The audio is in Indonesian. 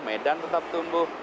medan tetap tumbuh